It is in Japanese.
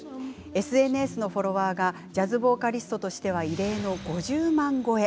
ＳＮＳのフォロワーがジャズボーカリストとしては異例の５０万超え。